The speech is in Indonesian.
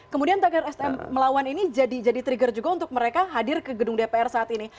kemudian tagar sm melawan ini jadi trigger juga untuk mereka hadir ke gedung dpr saat ini